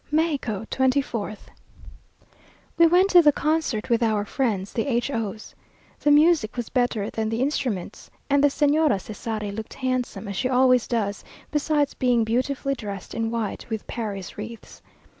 MEXICO, 24th. We went to the concert with our friends, the H os. The music was better than the instruments, and the Señora Cesari looked handsome, as she always does, besides being beautifully dressed in white, with Paris wreaths.